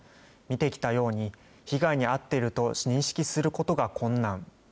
見てきたように、被害に遭っていると認識することが困難。